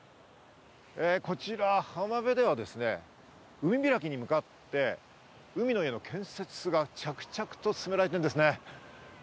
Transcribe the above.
浜辺では海開きに向かって、海の家の建設が着々と進められているんですね。